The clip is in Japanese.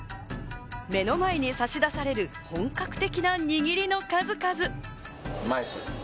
目の前に差し出される本格的な握りの数々。